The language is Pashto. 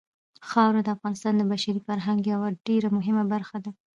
خاوره د افغانستان د بشري فرهنګ یوه ډېره مهمه برخه ده.